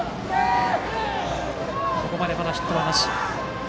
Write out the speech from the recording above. ここまでまだヒットなし。